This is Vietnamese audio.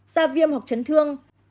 da viêm hoặc chấn thương